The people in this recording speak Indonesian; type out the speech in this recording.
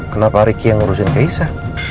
kenapa riki yang ngurusin kesya